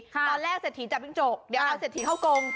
เศรษฐีจับจิ้งจกเดี๋ยวเอาเศรษฐีเข้ากง